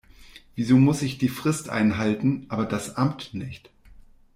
Wieso muss ich die Frist einhalten, aber das Amt nicht.